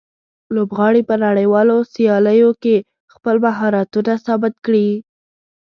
لوبغاړي په نړیوالو سیالیو کې خپل مهارتونه ثابت کړي.